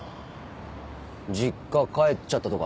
実家帰っちゃったとか。